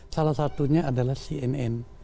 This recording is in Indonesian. salah satunya adalah cnn